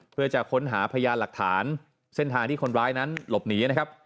เพื่อจะค้นหาพยานหลักฐานเส้นทางที่คนร้ายนั้นหลบหนีนะครับ